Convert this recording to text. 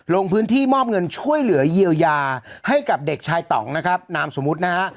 ลงพื้นที่มอบเงินช่วยเหลือเยียวยาให้กับเด็กชายต่องนะครับนามสมมุตินะฮะ